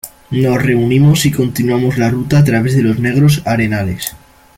nos reunimos y continuamos la ruta a través de los negros arenales.